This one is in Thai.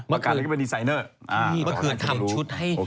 เมื่อคือทำชุดให้